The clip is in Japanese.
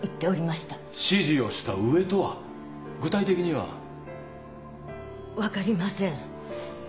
指示をした上とは具体的には。分かりません。